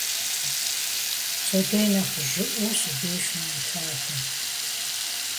Пщэдей нэхъ жьыӀуэу си деж ныӀулъадэ.